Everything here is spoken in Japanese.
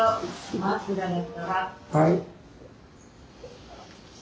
はい。